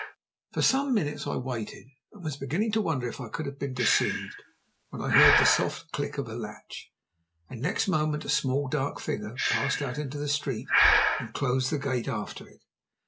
For some minutes I waited, and was beginning to wonder if I could have been deceived, when I heard the soft click of a latch, and next moment a small dark figure passed out into the street, and closed the gate after it.